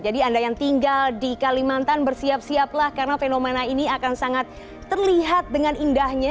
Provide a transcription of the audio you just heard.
jadi anda yang tinggal di kalimantan bersiap siaplah karena fenomena ini akan sangat terlihat dengan indahnya